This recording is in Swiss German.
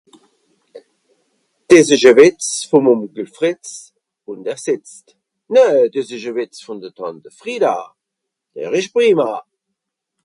des esch à Wìtz vom Onkel Fritz un der setzt ! näaa des esch a Wìtz von de Tànte Frida, der esch prima